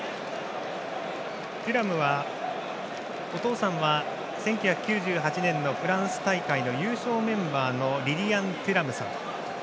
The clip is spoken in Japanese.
テュラムはお父さんは、１９９８年のフランス大会の優勝メンバーのリリアン・テュラムさん。